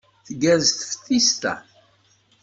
Tgerrez teftist-a.